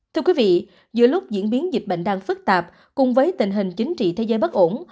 thưa quý vị giữa lúc diễn biến dịch bệnh đang phức tạp cùng với tình hình chính trị thế giới bất ổn